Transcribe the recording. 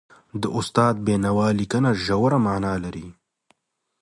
د استاد د بينوا لیکنه ژوره معنا لري.